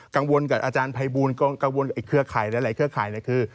กังวลกับอาจารย์ภัยบูลกังวลเครือข่ายหลายเครือข่ายคือ